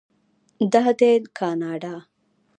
دا دی کاناډا.